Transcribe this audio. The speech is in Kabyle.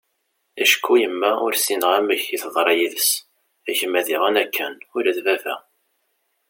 acku yemma ur ssineγ amek teḍṛa yid-s, gma diγen akken, ula d baba